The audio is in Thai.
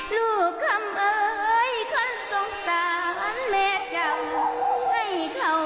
ลูกคำเอ๋ยคนสงสารแม่เจ้าให้เขาวาดในเจ้าคำ